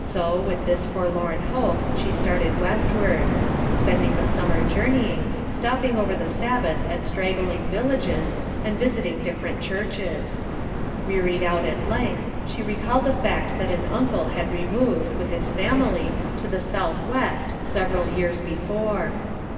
So, with this forlorn hope, she started westward; spending the summer journeying, stopping over the Sabbath at straggling villages, and visiting different churches. Wearied out at length, she recalled the fact that an uncle had removed, with his family, to the south west, several years before.